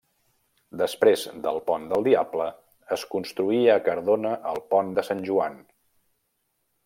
Després del pont del Diable, es construí a Cardona el pont de Sant Joan.